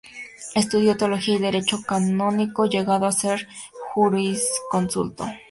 Estudió Teología y Derecho canónico, llegando a ser jurisconsulto.